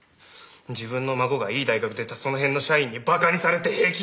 自分の孫がいい大学出たその辺の社員に馬鹿にされて平気なわけ？